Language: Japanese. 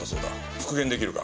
復元できるか？